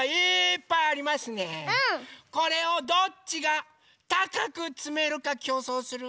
これをどっちがたかくつめるかきょうそうする？